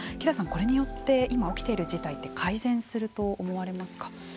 これによって今起きている事態って改善すると思われますか？